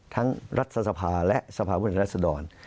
ทั้งรัฐสภาและสภาพุทธแห่งรัฐสดรน